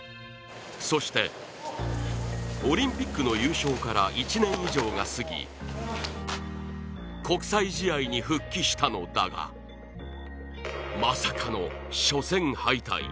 そして、オリンピックの優勝から１年以上が過ぎ国際試合に復帰したのだが、まさかの、初戦敗退。